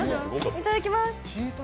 いただきます。